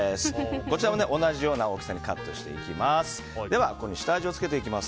こちらも同じような大きさにカットしていきます。